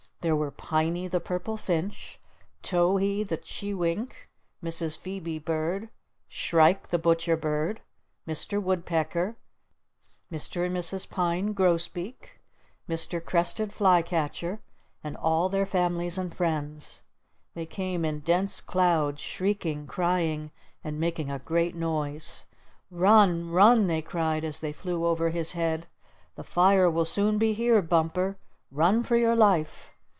There were Piney the Purple Finch, Towhee the Chewink, Mrs. Phoebe Bird, Shrike the Butcher Bird, Mr. Woodpecker, Mr. and Mrs. Pine Grosbeak, Mr. Crested Flycatcher, and all their families and friends. They came in dense clouds, shrieking, crying and making a great noise. "Run! Run!" they cried as they flew over his head. "The fire will soon be here, Bumper! Run for your life!"